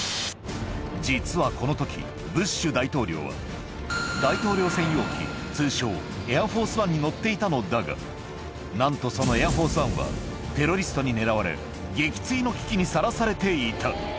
実はこのとき、ブッシュ大統領は、大統領専用機、通称エアフォースワンに乗っていたのだが、なんとそのエアフォースワンはテロリストに狙われ、撃墜の危機にさらされていた。